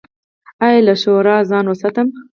ایا له شور ځان وساتم؟